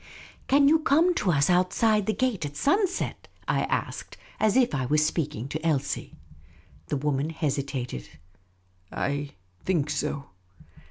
" Can you come to us outside the gate at siinset ?" I asked, as if speaking to Elsie. The woman hesitated. '' I think so."